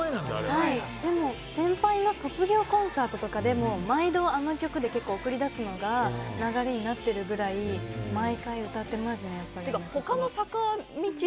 でも先輩の卒業コンサートとかで毎度あの曲で送り出すのが流れになってるぐらい毎回歌ってますね。